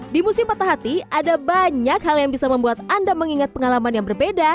di musim patah hati ada banyak hal yang bisa membuat anda mengingat pengalaman yang berbeda